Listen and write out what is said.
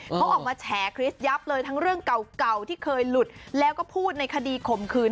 เขาออกมาแฉคริสยับเลยทั้งเรื่องเก่าที่เคยหลุดแล้วก็พูดในคดีข่มขืน